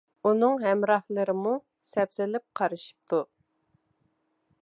ئۇنىڭ ھەمراھلىرىمۇ سەپسېلىپ قارىشىپتۇ.